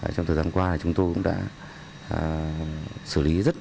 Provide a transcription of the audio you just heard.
trong thời gian qua chúng tôi cũng đã xử lý rất